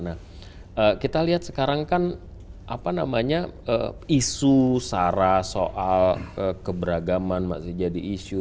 nah kita lihat sekarang kan apa namanya isu sara soal keberagaman masih jadi isu